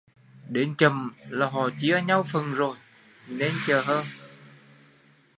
Đến chậm là họ chia nhau phần rồi nên chờ hơ